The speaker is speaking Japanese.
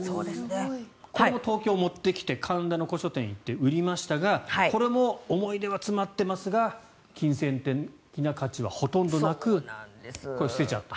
これも東京に持ってきて神田の古書店で売りましたがこれも思い出は詰まっていますが金銭的な価値はほとんどなく捨てちゃった。